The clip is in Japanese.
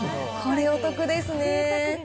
これお得ですね。